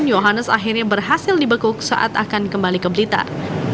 yohanes akhirnya berhasil dibekuk saat akan kembali ke blitar